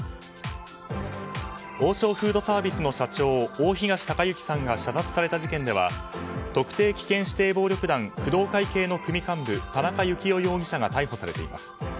王将フードサービスの社長大東隆行さんが射殺された事件では特定危険指定暴力団工藤会系の組幹部田中幸雄容疑者が逮捕されています。